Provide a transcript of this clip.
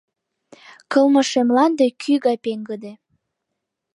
Кылмыше мланде кӱ гай пеҥгыде.